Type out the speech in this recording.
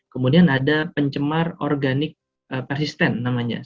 kemudian ada pencemar organik persisten namanya